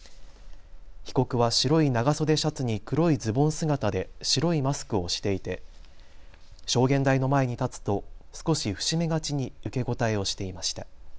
被告は白い長袖シャツに黒いズボン姿で白いマスクをしていて証言台の前に立つと少し伏し目がちに受け答えをしていました。